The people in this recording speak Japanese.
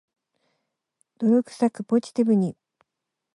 泥臭く、ポジティブに